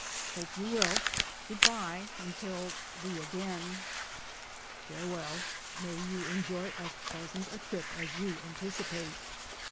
"Hope you will, good bye until we meet again." "Farewell, may you enjoy as pleasant a trip as you anticipate."